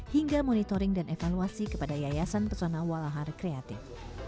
hingga monitoring dan evaluasi kepada yayasan pesona walahar kreatif